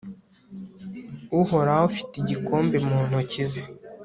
uhoraho afite igikombe mu ntoki ze